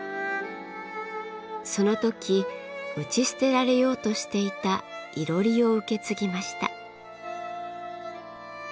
その時打ち捨てられようとしていたいろりを受け継ぎました。